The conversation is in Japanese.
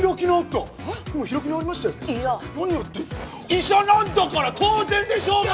医者なんだから当然でしょうが！